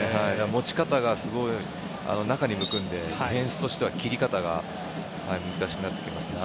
持ち方がすごく中に向くのでディフェンスとしては切り方が難しくなってきますね。